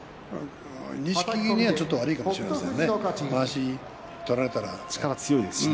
錦木にはちょっと悪いかもしれないですね